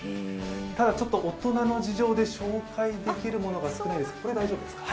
ただ、ちょっと大人の事情で紹介できるものが少ないです。